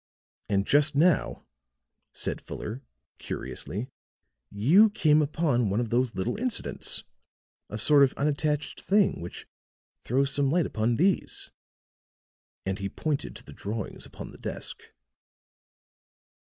"And just now," said Fuller, curiously, "you came upon one of these little incidents, a sort of unattached thing, which throws some light upon these," and he pointed to the drawings upon the desk.